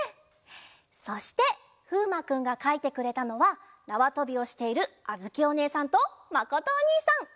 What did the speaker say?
そしてふうまくんがかいてくれたのはなわとびをしているあづきおねえさんとまことおにいさん。